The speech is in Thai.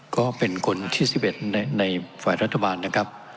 ก็เป็นคนที่๑๑ในฝ่ายรัฐบาลนะครับ